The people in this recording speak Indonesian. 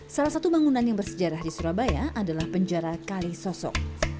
salah satu bangunan yang bersejarah di surabaya adalah penjara kalisosok